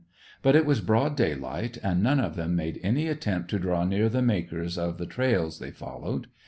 But it was broad daylight, and none of them made any attempt to draw near the makers of the trails they followed.